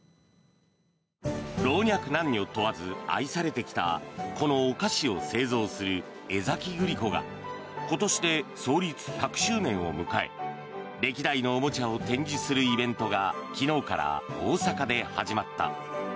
老若男女問わず愛されてきたこのお菓子を製造する江崎グリコが今年で創立１００周年を迎え歴代のおもちゃを展示するイベントが昨日から大阪で始まった。